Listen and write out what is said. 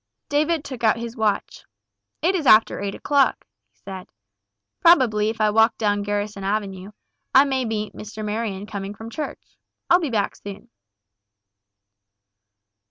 David took out his watch. "It is after eight o'clock," he said. "Probably if I walk down Garrison Avenue, I may meet Mr. Marion coming from Church. I'll be back soon."